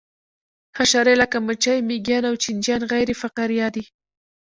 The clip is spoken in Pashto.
حشرې لکه مچۍ مېږیان او چینجیان غیر فقاریه دي